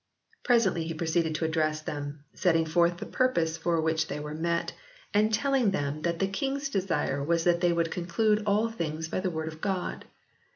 Presently he proceeded to address them, set ting forth the purpose for which they were met, and telling them that the King s desire was that 58 HISTORY OF THE ENGLISH BIBLE [CH. they would conclude all things by the Word of God.